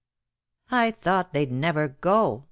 "I thought they'd never go!"